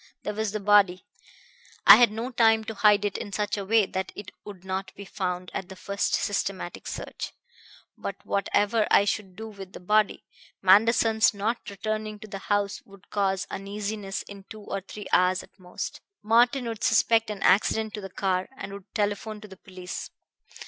There was the body. I had no time to hide it in such a way that it would not be found at the first systematic search. But whatever I should do with the body, Manderson's not returning to the house would cause uneasiness in two or three hours at most. Martin would suspect an accident to the car, and would telephone to the police.